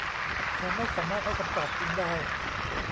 เขาไม่สามารถให้คำตอบคุณได้